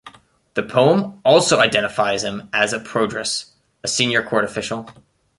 The poem also identifies him as a proedrus, a senior court official.